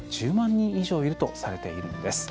人以上いるとされているんです。